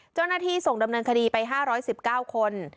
เจ้าหน้าที่ส่งดำเนินคดีไป๕๑๙คน